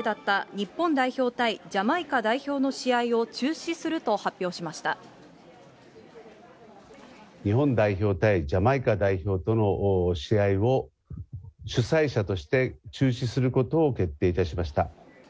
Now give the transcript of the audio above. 日本代表対ジャマイカ代表との試合を、主催者として中止することを決定いたしました。